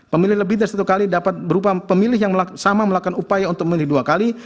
pemilih lebih dari satu kali dapat berupa pemilih yang sama melakukan upaya untuk memilih dua kali